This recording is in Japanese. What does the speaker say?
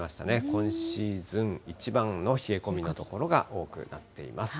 今シーズン一番の冷え込みの所が多くなっています。